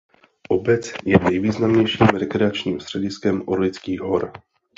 Obec je nejvýznamnějším rekreačním střediskem Orlických hor.